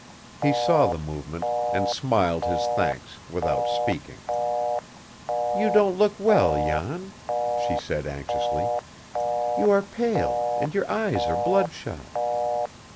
He saw the movement, and smiled his thanks without speaking. "You don't look well, Jan," she said anxiously. "You are pale, and your eyes are bloodshot."